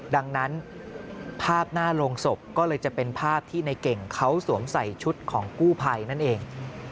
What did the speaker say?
ดังนั้นภาพหน้าโรงศพก็เลยจะเป็นภาพที่ในเก่งเขาสวมใส่ชุดของกู้ภัยนั่นเอง